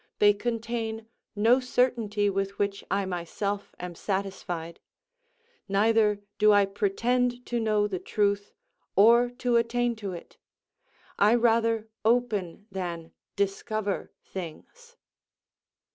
They contain no certainty with which I myself am satisfied. Neither do I pretend to know the truth, or to attain to it. I rather open than discover things."